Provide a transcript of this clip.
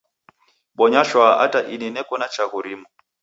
Bonya shwaa ata ini neko na chaghu rimu.